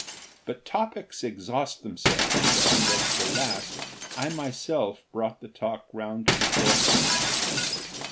But topics exhaust themselves and, at the last, I myself brought the talk round to the Fourth Dimension.